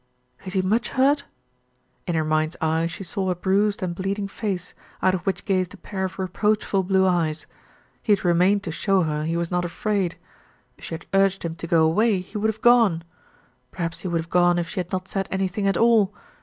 "Is he much hurt?" In her mind's eye she saw a bruised and bleeding face, out of which gazed a pair of reproachful blue eyes. He had remained to show her he was not afraid. If she had urged him to go away, he would have gone. Perhaps he would have gone if she had not said anything at all.